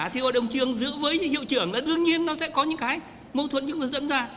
thì hội đồng trường giữ với hiệu trưởng là đương nhiên nó sẽ có những mâu thuẫn dẫn ra